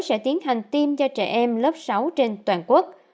sẽ tiến hành tiêm cho trẻ em lớp sáu trên toàn quốc